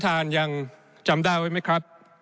ท่านยังจำได้ไว้ไหมครับ